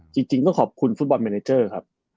จริงก็ขอบคุณฟุตบอลเมเนเจอร์ครับ